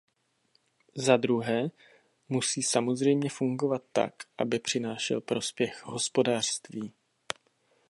Zadruhé musí samozřejmě fungovat tak, aby přinášel prospěch hospodářství.